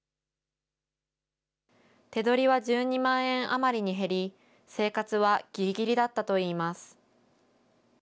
手取りは１２万円余りに減り、生活はぎりぎりだったといいます。